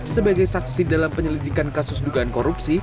sebagai saksi dalam penyelidikan kasus dugaan korupsi